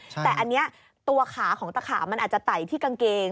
แต่อันนี้ตัวขาของตะขามันอาจจะไต่ที่กางเกง